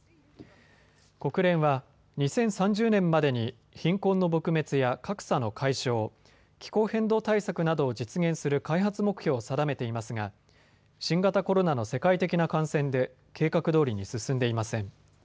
国連は２０３０年までに貧困の撲滅や格差の解消、気候変動対策などを実現する開発目標を定めていますが新型コロナの世界的な感染で計画どおりに進んでいません。